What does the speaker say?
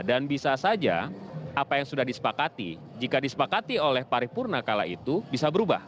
dan bisa saja apa yang sudah disepakati jika disepakati oleh paripurna kala itu bisa berubah